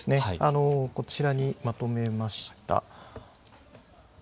こちらにまとめました。